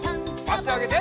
あしあげて。